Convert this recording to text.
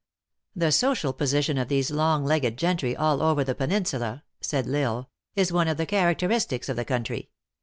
" The social position of these long legged gentry all over the peninsula," said L Isle, " is one of the charac teristics of the country.